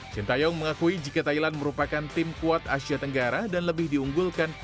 sintayong mengakui jika thailand merupakan tim kuat asia tenggara dan lebih diunggulkan